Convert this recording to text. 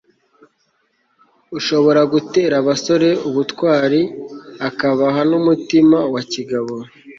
ashobora gutera abasore ubutwari akabaha n'umutima wa kigabo